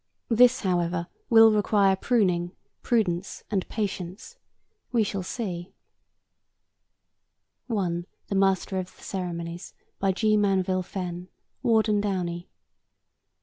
This, however, will require pruning, prudence and patience. We shall see. (1) The Master of the Ceremonies. By G. Manville Fenn. (Ward and Downey.)